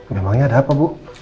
memangnya ada apa bu